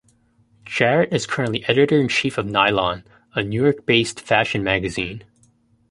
Jarrett is currently editor-in-chief of "Nylon", a New York-based fashion magazine.